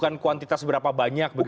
bukan kuantitas berapa banyak begitu